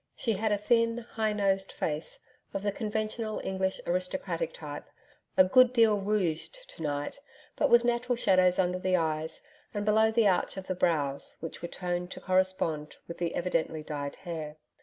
She had a thin, high nosed face of the conventional English aristocratic type, a good deal rouged to night, but with natural shadows under the eyes and below the arch of the brows which were toned to correspond with the evidently dyed hair.